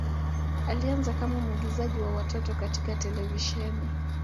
Alianza kama mwigizaji wa watoto katika televisheni.